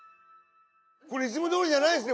・これいつも通りじゃないですね？